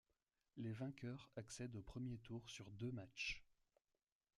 Les vainqueurs accèdent au premier tour sur deux matchs.